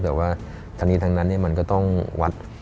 แต่ว่าทั้งนี้ทั้งนั้นมันก็ต้องวัด